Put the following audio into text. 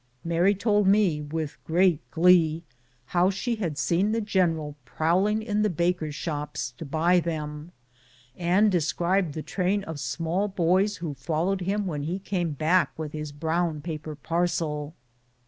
Mary told me, with great glee, how she had seen the general prowling in the bakers' shops to buy them, and described the train of small boys who followed him when he came back with his brown paper parcel.